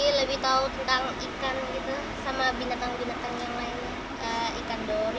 jadi lebih tahu tentang ikan gitu sama binatang binatang yang lain ikan dori